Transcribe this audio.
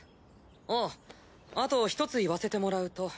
あああと１つ言わせてもらうと。